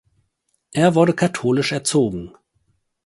Er wurde katholisch erzogen.